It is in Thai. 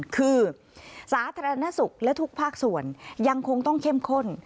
คือสาธารณสุขและทุกภาคส่วนยังคงต้องเข้มข้น